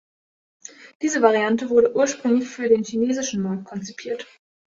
Diese Variante wurde ursprünglich für den chinesischen Markt konzipiert.